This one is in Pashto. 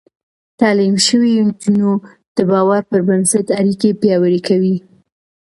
تعليم شوې نجونې د باور پر بنسټ اړيکې پياوړې کوي.